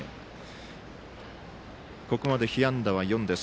ここめで被安打は４です。